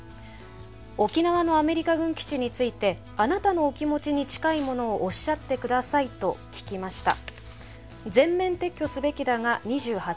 「沖縄のアメリカ軍基地についてあなたのお気持ちに近いものをおっしゃって下さい」と聞きました。